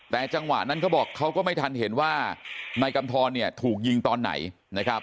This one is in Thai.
แต่จังหวะนั้นเขาบอกเขาก็ไม่ทันเห็นว่านายกำทรเนี่ยถูกยิงตอนไหนนะครับ